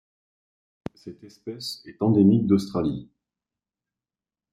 Cette espèce est endémique d'Australie.